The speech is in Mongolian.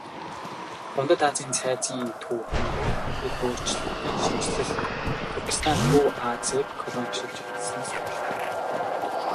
Дундад Азийн цайны түүхэн дэх их өөрчлөн шинэчлэлт Туркестан Төв Азийг колоничилж эхэлснээс үүдэлтэй.